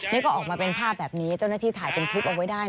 นี่ก็ออกมาเป็นภาพแบบนี้เจ้าหน้าที่ถ่ายเป็นคลิปเอาไว้ได้